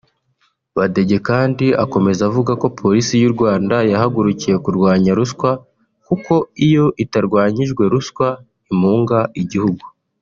Badege kandi akomeza avuga ko Polisi y’u Rwanda yahagurukiye kurwanya ruswa kuko iyo itarwanyijwe (ruswa) imunga igihugu